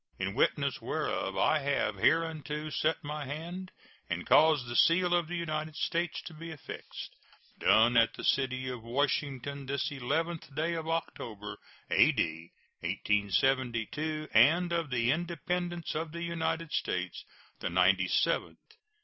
In witness whereof I have hereunto set my hand and caused the seal of the United States to be affixed. [SEAL.] Done at the city of Washington, this 11th day of October, A.D. 1872, and of the Independence of the United States the ninety seventh.